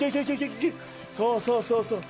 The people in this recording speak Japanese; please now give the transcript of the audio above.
そうそうそうそう。